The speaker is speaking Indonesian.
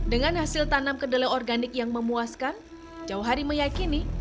dengan hasil tanam kedelai organik yang memuaskan jauh hari meyakini